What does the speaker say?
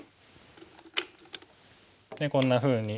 でこんなふうに。